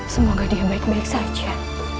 semoga dia baik baik saja